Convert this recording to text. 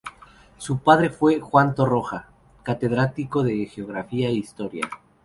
Su padre fue Juan Torroja, Catedrático de Geografía e Historia.